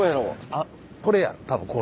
あっこれや多分工場。